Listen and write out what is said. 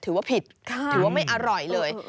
ถือว่าผิดถือว่าไม่อร่อยเลย